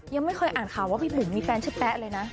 ยังไม่เคยอ่านข่าวว่าพี่บุ๋มมีแฟนชื่อแป๊ะเลยนะ